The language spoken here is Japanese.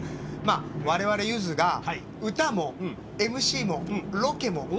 我々、ゆずが歌もＭＣもロケも。